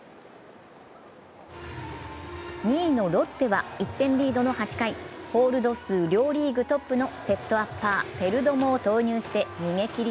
２位のロッテは１点リードの８回ホールド数両リーグトップのセットアッパー、ペルドモを投入して逃げ切り